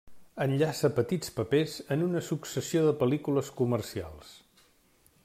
Enllaça petits papers en una successió de pel·lícules comercials.